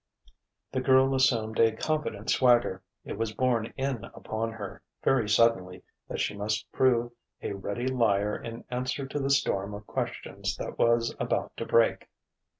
The girl assumed a confident swagger. It was borne in upon her, very suddenly, that she must prove a ready liar in answer to the storm of questions that was about to break.